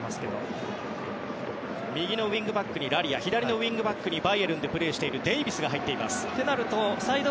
右のウィングバックにラリア左のウィングバックにバイエルンでプレーしているデイビスが入ります、カナダ。